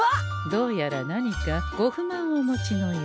どうやら何かご不満をお持ちのよう。